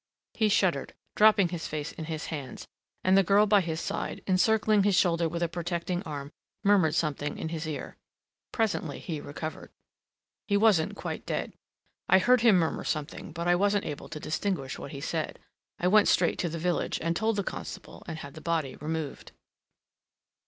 He shuddered, dropping his face in his hands, and the girl by his side, encircling his shoulder with a protecting arm, murmured something in his ear. Presently he recovered. "He wasn't quite dead. I heard him murmur something but I wasn't able to distinguish what he said. I went straight to the village and told the constable and had the body removed."